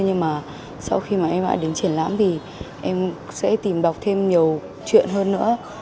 nhưng mà sau khi mà em đã đến triển lãm thì em sẽ tìm đọc thêm nhiều chuyện hơn nữa